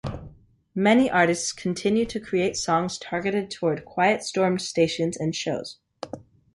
Many artists continue to create songs targeted towards Quiet Storm stations and shows.